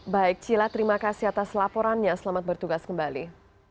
baik cila terima kasih atas laporannya selamat bertugas kembali